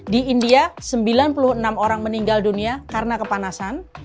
di india sembilan puluh enam orang meninggal dunia karena kepanasan